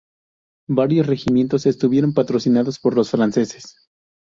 Varios regimientos estuvieron patrocinados por los franceses.